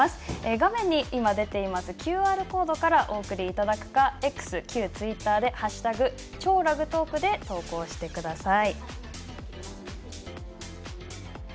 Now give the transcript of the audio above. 画面に出ているＱＲコードからお送りいただくかＸ、旧ツイッターで「＃超ラグトーク」で投稿してください。